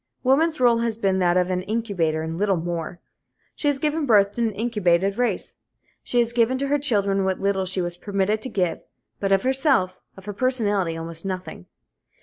Woman's rôle has been that of an incubator and little more. She has given birth to an incubated race. She has given to her children what little she was permitted to give, but of herself, of her personality, almost nothing.